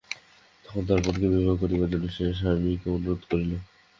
তখন তার বোনকে বিবাহ করিবার জন্য সে স্বামীকে অনুরোধ করিল।